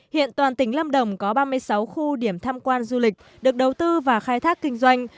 hiện toàn tỉnh lâm đồng có ba mươi sáu khu điểm tham quan du lịch được đầu tư và khai thác kinh doanh